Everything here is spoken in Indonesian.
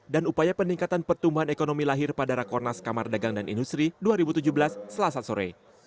dan upaya peningkatan pertumbuhan ekonomi lahir pada rakornas kamar dagang dan industri dua ribu tujuh belas selasa sore